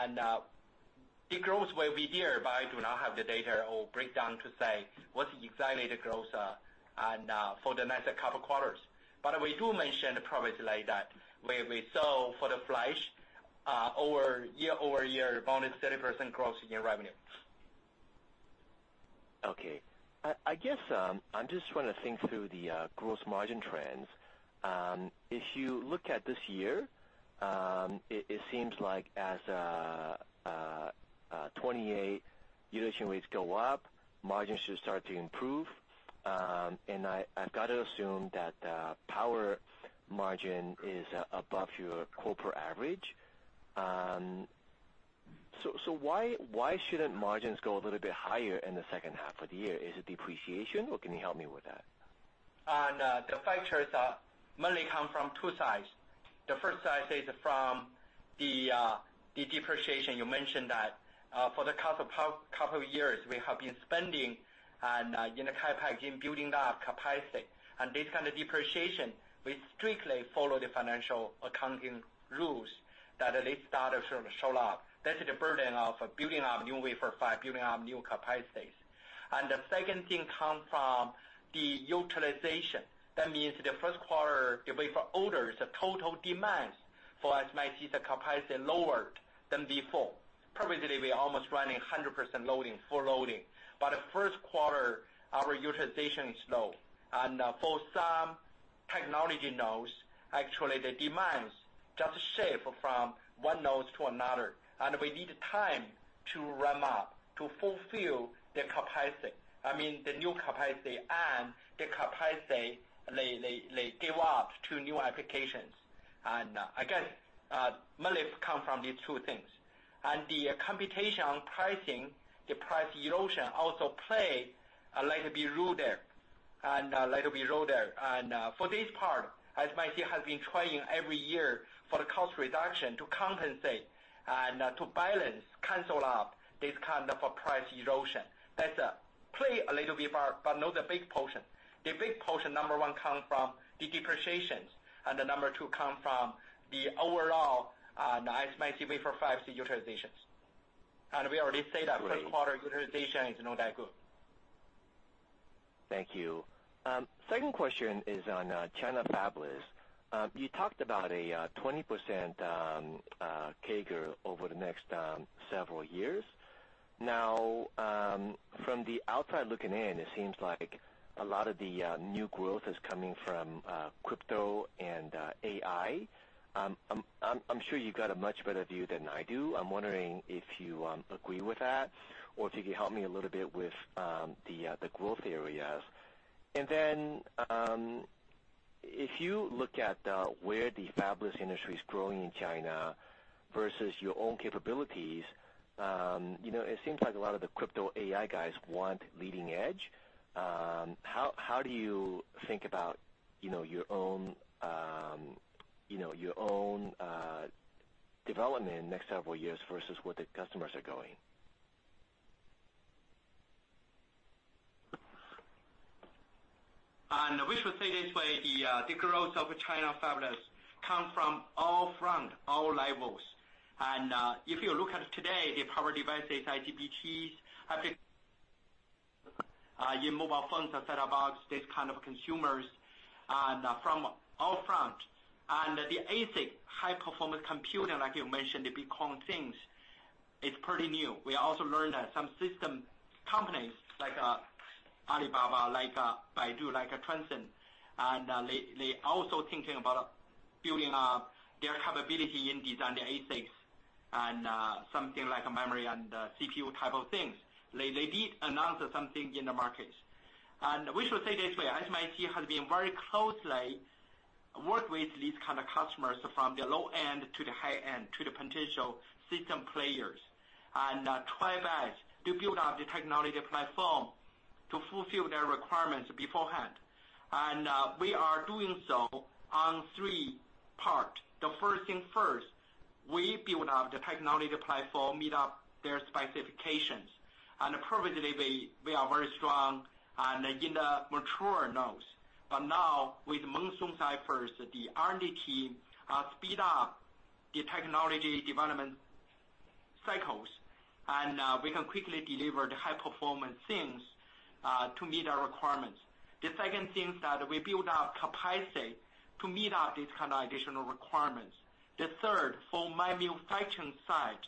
The growth will be there, I do not have the data or breakdown to say what exactly the growth for the next couple quarters. We do mention probably like that, where we saw for the flash year-over-year about 30% growth in revenue. Okay. I guess I'm just trying to think through the gross margin trends. If you look at this year, it seems like as 28 utilization rates go up, margins should start to improve. I've got to assume that the Power IC margin is above your corporate average. Why shouldn't margins go a little bit higher in the second half of the year? Is it depreciation, or can you help me with that? On the factors that mainly come from two sides. The first side is from the depreciation. You mentioned that for the past couple years, we have been spending in the CapEx in building up capacity. This kind of depreciation, we strictly follow the financial accounting rules that this data should show up. That's the burden of building up new wafer fab, building up new capacities. The second thing comes from the utilization. That means the first quarter wafer orders, the total demand for SMIC, the capacity lower than before. Previously, we're almost running 100% loading, full loading. The first quarter, our utilization is low. For some technology nodes, actually, the demands just shift from one node to another. We need time to ramp up to fulfill the capacity. I mean, the new capacity and the capacity they give up to new applications. Again, mainly come from these two things. The competition pricing, the price erosion also play a little bit role there. For this part, SMIC has been trying every year for the cost reduction to compensate and to balance, cancel out this kind of a price erosion. That's play a little bit part but not the big portion. The big portion, number 1, come from the depreciations, and the number 2 come from the overall SMIC wafer fab utilizations. We already say that first quarter utilization is not that good. Thank you. Second question is on China fabless. You talked about a 20% CAGR over the next several years. From the outside looking in, it seems like a lot of the new growth is coming from crypto and AI. I'm sure you've got a much better view than I do. I'm wondering if you agree with that or if you could help me a little bit with the growth areas. If you look at where the fabless industry is growing in China versus your own capabilities, it seems like a lot of the crypto AI guys want leading edge. How do you think about your own development next several years versus where the customers are going? We should say this way, the growth of China fabless come from all fronts, all levels. If you look at today, the power devices, IGBTs, in mobile phones, et cetera, box, this kind of consumers, from all fronts. The ASIC high-performance computing, like you mentioned, the Bitcoin things, it's pretty new. We also learned that some system companies like Alibaba, like Baidu, like Tencent, they also thinking about building up their capability in designing the ASICs and something like memory and CPU type of things. They did announce something in the market. We should say it this way, SMIC has been very closely work with these kind of customers from the low-end to the high-end, to the potential system players, and try best to build up the technology platform to fulfill their requirements beforehand. We are doing so on three parts. The first thing first, we build up the technology platform, meet up their specifications. Previously, we are very strong in the mature nodes. Now with Mong Song first, the R&D team speed up the technology development cycles, and we can quickly deliver the high-performance things to meet our requirements. The second thing is that we build up capacity to meet up this kind of additional requirements. The third, for manufacturing side,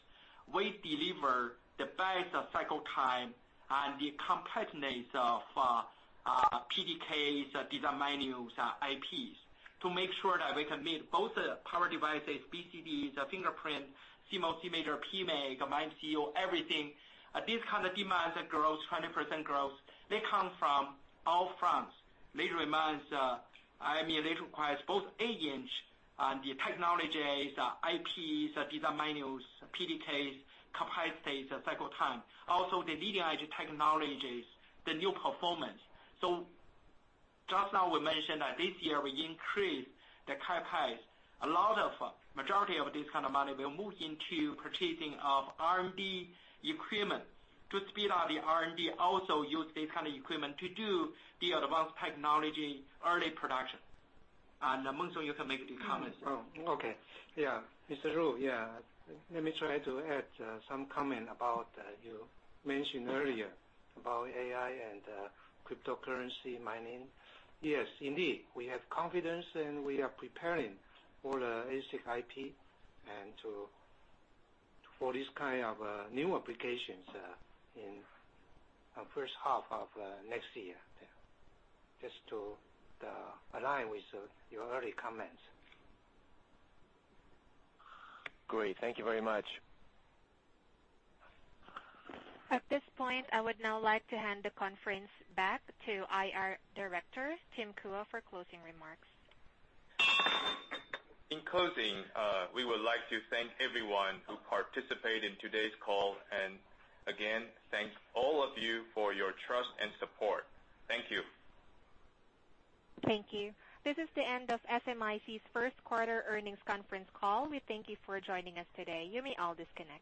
we deliver the best cycle time and the completeness of PDKs, design manuals, IPs, to make sure that we can meet both the power devices, BCDs, fingerprint, CMOS image, PMICs, MCUs, everything. These kind of demands growth, 20% growth, they come from all fronts. These requires both aging and the technologies, IPs, design manuals, PDKs, capacities, cycle time. Also the leading-edge technologies, the new performance. Just now we mentioned that this year we increase the CapEx. Majority of this kind of money will move into purchasing of R&D equipment to speed up the R&D, also use this kind of equipment to do the advanced technology early production. Mong Song, you can make the comments. Oh, okay. Yeah. Mr. Lu, let me try to add some comment about you mentioned earlier about AI and cryptocurrency mining. Yes, indeed. We have confidence, and we are preparing for the ASIC IP and for this kind of new applications in first half of next year. Just to align with your early comments. Great. Thank you very much. At this point, I would now like to hand the conference back to IR Director, Tim Kuo, for closing remarks. In closing, we would like to thank everyone who participated in today's call. Again, thanks all of you for your trust and support. Thank you. Thank you. This is the end of SMIC's first quarter earnings conference call. We thank you for joining us today. You may all disconnect.